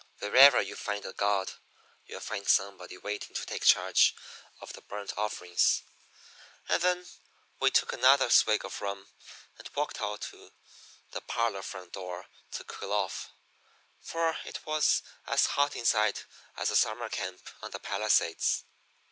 Wherever you find a god you'll find somebody waiting to take charge of the burnt offerings.' "And then we took another swig of rum and walked out to the parlor front door to cool off, for it was as hot inside as a summer camp on the Palisades.